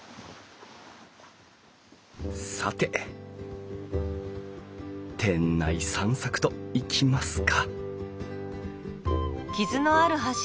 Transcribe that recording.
さて店内散策といきますか